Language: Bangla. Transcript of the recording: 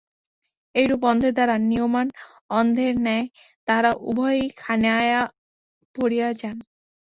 এইরূপ অন্ধের দ্বারা নীয়মান অন্ধের ন্যায় তাহারা উভয়েই খানায় পড়িয়া যায়।